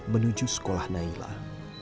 menuju sekolah nailah